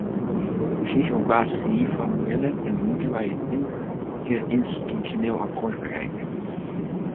Precies op basis hiervan willen en moeten wij een interinstitutioneel akkoord bereiken.